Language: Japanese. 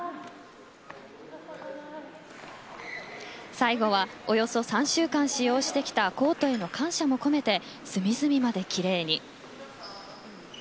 最後は、およそ３週間使用してきたコートへの感謝も込めて隅々まできれいに。